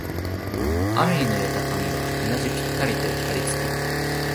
雨に濡れた髪がうなじにぴったりとはりつく